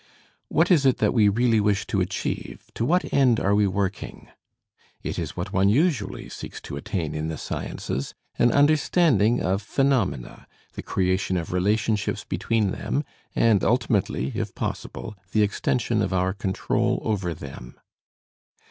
What is it that we really wish to achieve, to what end are we working? It is what one usually seeks to attain in the sciences, an understanding of phenomena, the creation of relationships between them, and ultimately, if possible, the extension of our control over them.